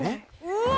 うわ。